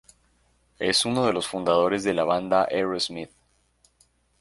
Es uno de los fundadores de la banda Aerosmith.